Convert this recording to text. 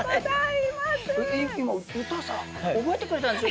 今歌さ覚えてくれたんでしょ？